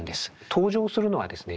登場するのはですね